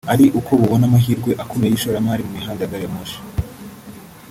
ari uko bubona amahirwe akomeye y’ishoramari mu mihanda ya gari ya moshi